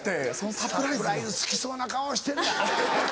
サプライズ好きそうな顔してんな。